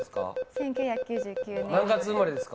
１９９９年生まれです。